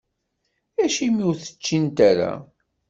Acimi ur ččint ara?